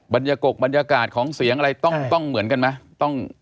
ยกกบรรยากาศของเสียงอะไรต้องเหมือนกันไหม